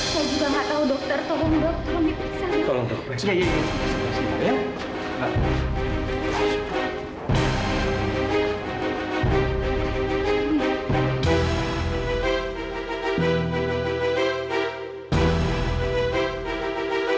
saya juga nggak tahu dokter tolong dok tolong diperiksa